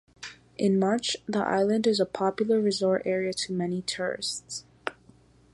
In March, the island is a popular resort area to many tourists.